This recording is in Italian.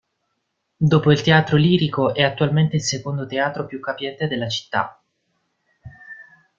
Dopo il Teatro Lirico è attualmente il secondo teatro più capiente della città.